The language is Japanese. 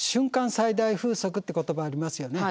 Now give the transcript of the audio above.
最大風速って言葉ありますよね。